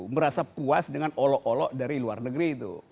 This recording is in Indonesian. merasa puas dengan olok olok dari luar negeri itu